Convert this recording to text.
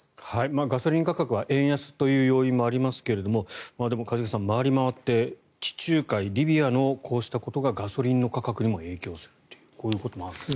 ガソリン価格は円安という要因もありますがでも一茂さん回り回って地中海リビアのこうしたことがガソリンの価格にも影響するとこういうこともあるんですね。